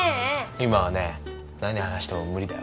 今はね何話しても無理だよ